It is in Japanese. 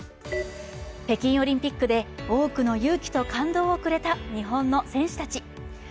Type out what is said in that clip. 北京オリンピックで多くの勇気と感動をくれた日本の選手たち。